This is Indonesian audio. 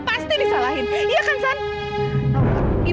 aksan harus tetap utilizasi